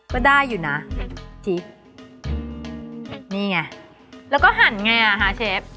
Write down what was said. ก็ได้อยู่นะจิ๊กนี่ไงแล้วก็หั่นไงอ่ะคะเชฟ